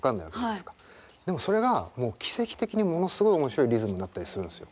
でもそれがもう奇跡的にものすごい面白いリズムになったりするんですよ。